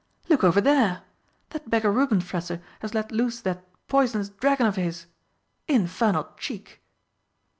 "Look over there. That beggar Rubenfresser has let loose that poisonous dragon of his! Infernal cheek!"